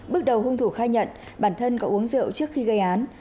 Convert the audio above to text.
bước đầu hung thủ khai nhận bản thân có uống rượu trước khi gây án